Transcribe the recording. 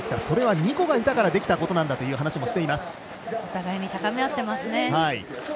それはニコがいたからできたことなんだという話もしています。